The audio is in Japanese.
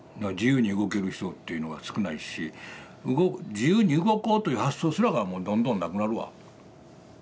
自由に動ける人っていうのは少ないし自由に動こうという発想すらがもうどんどんなくなるわ。